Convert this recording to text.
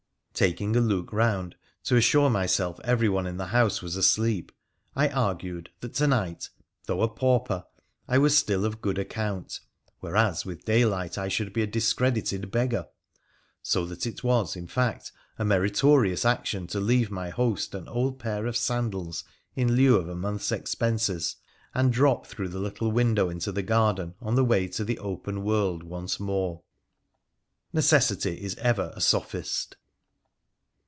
Taking a look round, to assure myself every one in the house was asleep, I argued that to night, though a pauper, I was still of good account, whereas with daylight I should be a discredited beggar; so that it was, in fact, a meritorious action to leave my host an old pair of sandals in lieu of a month's expenses, and drop through the little window into the garden, on the way to the open world once more. Necessity is ever a sophist.